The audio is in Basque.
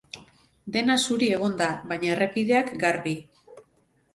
Dena zuri egon da, baina errepideak garbi.